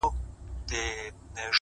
میاشته کېږي بې هویته، بې فرهنګ یم،